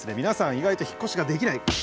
皆さん意外と引っ越しができない。